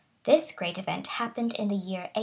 This great event happened in the year 827.